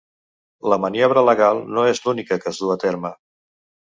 La maniobra legal no és l'única que es du a terme.